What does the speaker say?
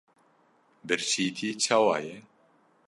birçîtî çawa ye?